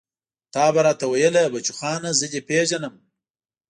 ته به راته ويلې بچوخانه زه دې پېژنم.